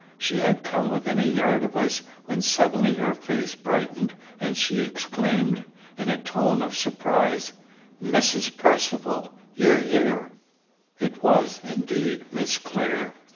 She had come within a yard of us, when suddenly her face brightened, and she exclaimed, in a tone of surprise, "Mrs. Percivale! You here?" It was indeed Miss Clare.